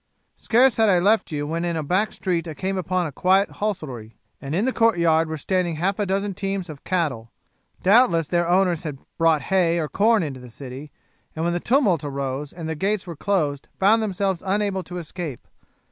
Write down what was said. Scarce had I left you when in a back street I came upon a quiet hostelry, and in the courtyard were standing half a dozen teams of cattle. Doubtless their owners had brought hay or corn into the city, and when the tumult arose and the gates were closed found themselves unable to escape.